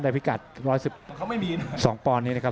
ในพิกัดร้อยสิบเขาไม่มีสองปอนด์นี้นะครับ